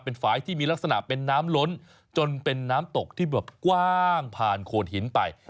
เป็นฝ่ายที่มีลักษณะเป็นน้ำล้นจนเป็นน้ำตกที่แบบกว้างผ่านโขดหินไป